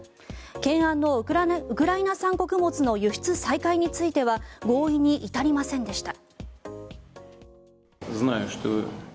懸案のウクライナ産穀物の輸出再開については合意に至りませんでした。